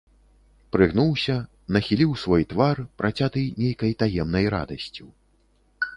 Прыгнуўся, нахіліў свой твар, працяты нейкай таемнай радасцю.